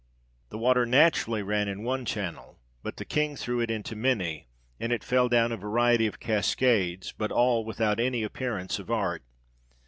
The water naturally ran in one channel, but the King threw it into many, and it fell down a variety of cascades ; but all without any appearance of art.